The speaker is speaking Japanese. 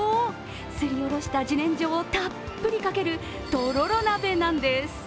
すりおろした自然薯をたっぷりかける、とろろ鍋なんです。